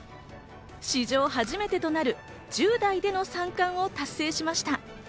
史上初めてとなる１０代での三冠を達成しました。